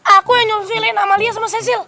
aku yang nyurusin lain sama lia sama cecil